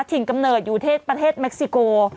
ถิ่นกำเนิดอยู่ประเทศเม็กซิโก